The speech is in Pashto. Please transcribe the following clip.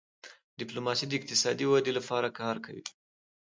ډيپلوماسي د اقتصادي ودې لپاره کار کوي.